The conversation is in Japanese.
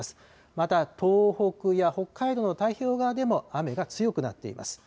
また東北や北海道の太平洋側でも雨が強くなっています。